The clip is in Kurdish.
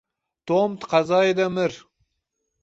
Tom di qezayê de mir.